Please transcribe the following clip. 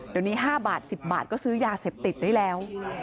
เดี๋ยวนี้๕บาท๑๐บาทก็ซื้อยาเสพติดได้แล้ว